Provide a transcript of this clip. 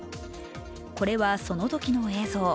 これは、そのときの映像。